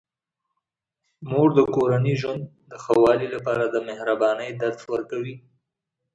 مور د کورني ژوند د ښه والي لپاره د مهربانۍ درس ورکوي.